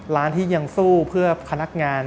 ร้านที่ยังสู้เพื่อพนักงาน